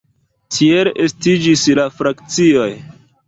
Tiel estiĝis la frakcioj.